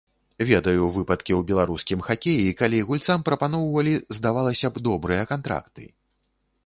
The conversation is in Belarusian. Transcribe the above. Ведаю выпадкі ў беларускім хакеі, калі гульцам прапаноўвалі, здавалася б, добрыя кантракты.